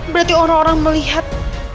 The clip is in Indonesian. berarti orang orang melihat